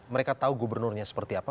mereka tahu gubernurnya seperti apa